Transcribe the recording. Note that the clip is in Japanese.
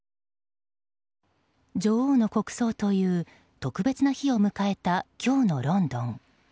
女王の国葬という特別な日を迎えた今日のロンドン。